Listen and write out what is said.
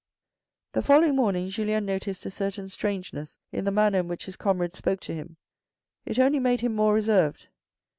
The following morning Julien noticed a certain strangeness in the manner in which his comrades spoke to him. It only made him more reserved.